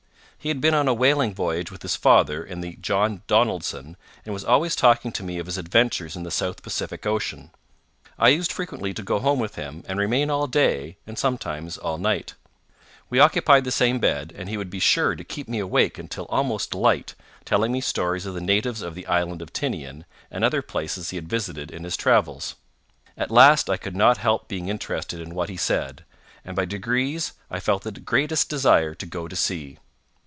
He had been on a whaling voyage with his father in the John Donaldson, and was always talking to me of his adventures in the South Pacific Ocean. I used frequently to go home with him, and remain all day, and sometimes all night. We occupied the same bed, and he would be sure to keep me awake until almost light, telling me stories of the natives of the Island of Tinian, and other places he had visited in his travels. At last I could not help being interested in what he said, and by degrees I felt the greatest desire to go to sea.